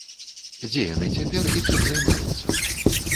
Дзе яны цяпер і чым займаюцца?